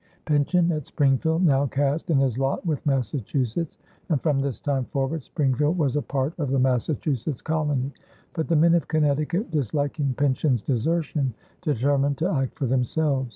Pynchon at Springfield now cast in his lot with Massachusetts, and from this time forward Springfield was a part of the Massachusetts colony, but the men of Connecticut, disliking Pynchon's desertion, determined to act for themselves.